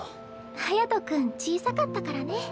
隼君小さかったからね。